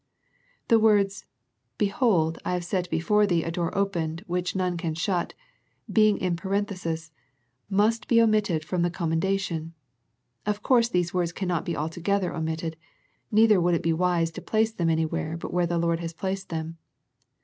The words " Behold, I have set before thee a door opened, which none can shut," being in paren thesis, must be omitted from the commenda tion. Of course these words cannot be alto gether omitted, neither would it be wise to place them anywhere but where the Lord has placed them.